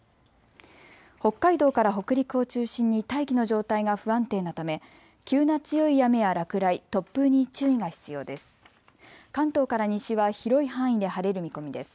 北海道から北陸を中心に大気の状態が不安定なため急な強い雨や落雷、突風に注意が必要です。